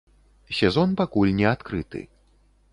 Сезон пакуль не адкрыты.